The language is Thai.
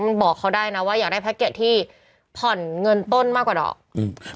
มันบอกเขาได้นะว่าอยากได้แพ็กเกจที่ผ่อนเงินต้นมากกว่าดอกอืม